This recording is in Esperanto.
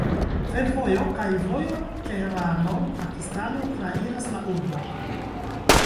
Fervojo kaj vojo Tehrano-Pakistano trairas la urbon.